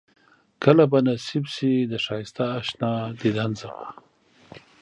کله به نصيب شي د ښائسته اشنا ديدن زما